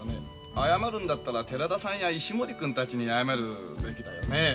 謝るんだったら寺田さんや石森くんたちに謝るべきだよね。